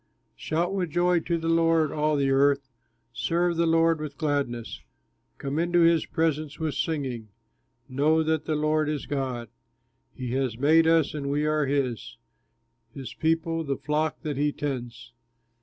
Shout with joy to the Lord, all the earth, Serve the Lord with gladness, Come into his presence with singing, Know that the Lord is God, He has made us and we are his, His people, the flock that he tends.